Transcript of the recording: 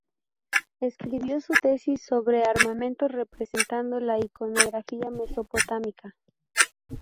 Escribió su tesis sobre armamento representado en la iconografía mesopotámica.